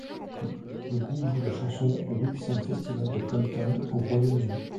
Le groupe joue la chanson au Whitsun Festival de Plumpton, au Royaume-Uni.